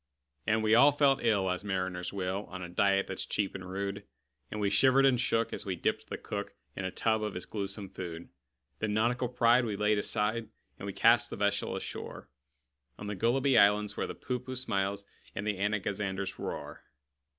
And we all felt ill as mariners will, On a diet that's cheap and rude; And we shivered and shook as we dipped the cook In a tub of his gluesome food. Then nautical pride we laid aside, And we cast the vessel ashore On the Gulliby Isles, where the Poohpooh smiles, And the Anagazanders roar.